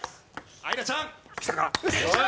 愛空ちゃん！